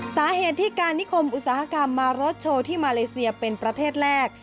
สาเหตุที่การนิคมอุตสาหกรรมมารถโชว์ที่มาเลเซียเป็นประเทศแรก